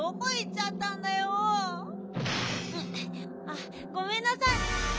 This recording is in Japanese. あっごめんなさい。